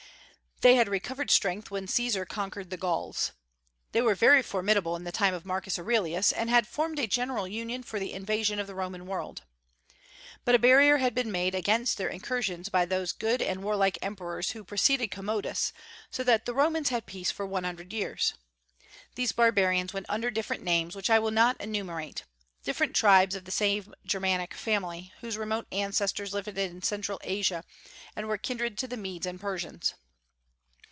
They had recovered strength when Caesar conquered the Gauls. They were very formidable in the time of Marcus Aurelius, and had formed a general union for the invasion of the Roman world. But a barrier had been made against their incursions by those good and warlike emperors who preceded Commodus, so that the Romans had peace for one hundred years. These barbarians went under different names, which I will not enumerate, different tribes of the same Germanic family, whose remote ancestors lived in Central Asia and were kindred to the Medes and Persians.